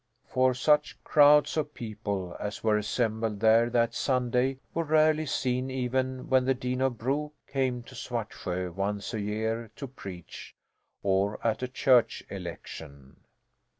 For such crowds of people as were assembled there that Sunday were rarely seen even when the Dean of Bro came to Svartsjö once a year, to preach, or at a church election.